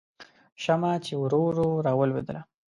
شمعه چې ورو ورو راویلېدله